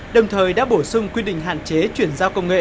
đồng thời đã bổ sung quy định hạn chế chuyển giao công nghệ